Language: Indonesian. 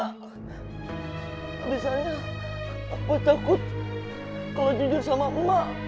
abis itu apoy takut kalau jujur sama emak